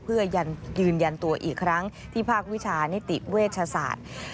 เพื่อยืนยันตัวอีกครั้งที่ภาควิชานิติเวชศาสตร์